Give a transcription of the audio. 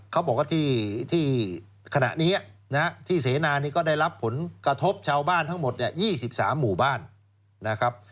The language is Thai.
เขาบอกว่าที่ขณะนี้ที่เสนานี่ก็ได้รับผลกระทบชาวบ้านทั้งหมด๒๓หมู่บ้านนะครับ